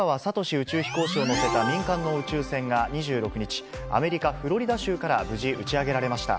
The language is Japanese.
宇宙飛行士を乗せた民間の宇宙船が２６日、アメリカ・フロリダ州から無事打ち上げられました。